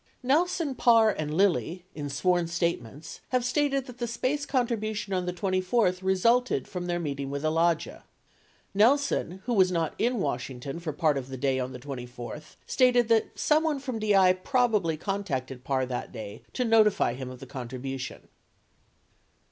70 Kelson, Parr, and Lilly, in sworn statements, have stated that the SPACE contribution on the 24th resulted from their meeting with Alagia. 71 Nelson, who was not in Washington for part of the day on the 24th, stated that someone from DI probably contacted Parr that day to notify him of the contribution.